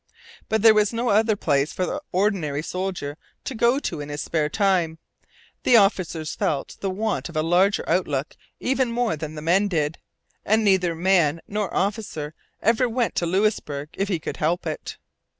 But there was no other place for the ordinary soldier to go to in his spare time. The officers felt the want of a larger outlook even more than the men did; and neither man nor officer ever went to Louisbourg if he could help it.